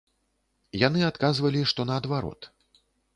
Яны адказвалі, што наадварот.